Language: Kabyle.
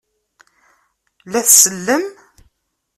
La tsellem?